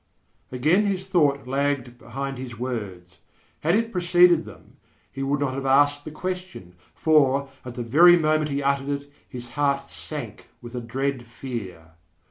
Again his thought lagged behind his words. Had it preceded them, he would not have asked the question, for, at the very moment he uttered it, his heart sank with a dread fear.